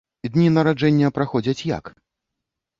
Дні нараджэння праходзяць як?